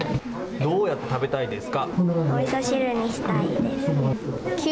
どうやって食べたいですか。